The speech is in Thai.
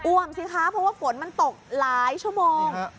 สิคะเพราะว่าฝนมันตกหลายชั่วโมง